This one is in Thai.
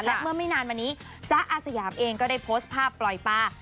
และเมื่อไม่นานมานี้จ๊ะอาสยามเองก็ได้โพสต์ภาพปล่อยปลา